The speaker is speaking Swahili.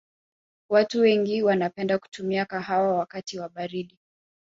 watu wengi wanapenda kutumia kahawa wakati wa baridi